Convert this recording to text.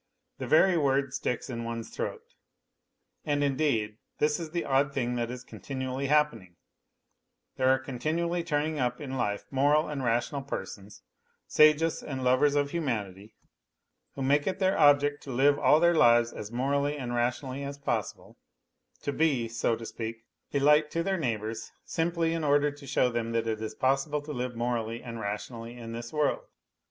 The very word sticks in one's throat. And, indeed, this is the odd thing that is continually happening : there are continually turning up in life moral and rational persons, sages and lovers of humanity \\lio make it their object to live all their lives as morally and rationally as possible, to be, so to speak, a light to their neigh bours simply in order to show them that it is possible to live iimrally and rationally in this world.